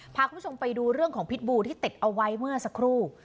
พาคุณผู้ชมไปดูเรื่องของพิษบูที่ติดเอาไว้เมื่อสักครู่